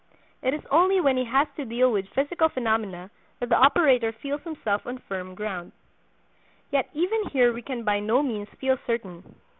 It is only when he has to deal with physical phenomena that the operator feels himself on firm ground." Yet even here we can by no means feel certain.